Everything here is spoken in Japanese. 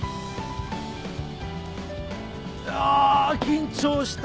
いや緊張した！